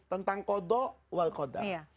tentang qodoh wal qodah